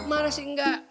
marah sih nggak